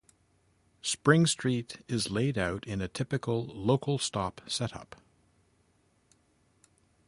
Spring Street is laid out in a typical local stop setup.